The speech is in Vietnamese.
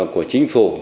của chính phủ